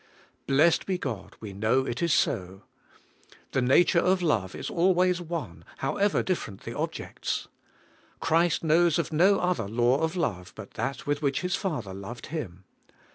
Blessed be God, we know it is so. The nature of love is always one, however different the ^ objects. Christ knows of no other law of love but that with which His Father loved Him.